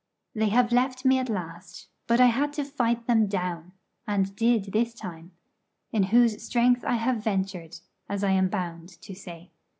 They have left me at last; but I had to fight them down, and did this time in Whose strength I have ventured, as I am bound, to say.